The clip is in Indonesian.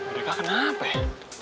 udah kakenap eh